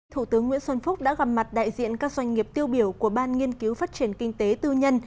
thủ tướng nguyễn xuân phúc đã gặp mặt đại diện các doanh nghiệp tiêu biểu của ban nghiên cứu phát triển kinh tế tư nhân